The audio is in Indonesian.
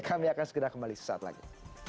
kami akan segera kembali sesaat lagi